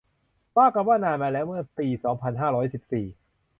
ว่ากันว่า นานมาแล้ว เมื่อปี สองพันห้าร้อยสิบสี่